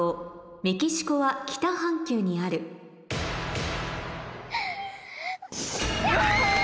メキシコは北半球にあるキャ！